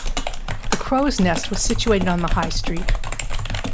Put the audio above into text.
The Crows Nest was situated on the High Street.